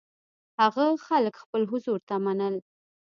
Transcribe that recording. هغه خلک خپل حضور ته منل.